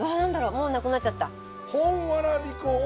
もうなくなっちゃった。